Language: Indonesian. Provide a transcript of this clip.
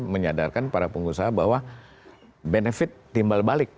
menyadarkan para pengusaha bahwa benefit timbal balik